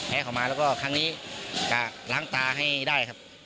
เข้ามาแล้วก็ครั้งนี้ก็ล้างตาให้ได้ครับ